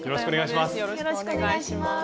よろしくお願いします。